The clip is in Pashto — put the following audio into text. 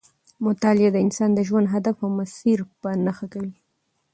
مطالعه د انسان د ژوند هدف او مسیر په نښه کوي.